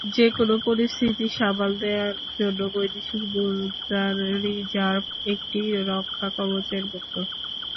যেকোনো পরিস্থিতি সামাল দেওয়ার জন্য বৈদেশিক মুদ্রার রিজার্ভ একটি রক্ষাকবচের মতো।